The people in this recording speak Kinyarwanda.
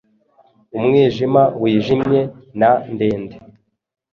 umwijima wijimye na ndende,